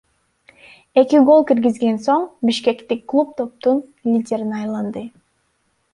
Эки гол киргизген соң бишкектик клуб топтун лидерине айланды.